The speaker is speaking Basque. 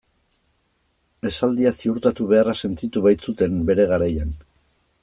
Esaldia ziurtatu beharra sentitu baitzuten bere garaian.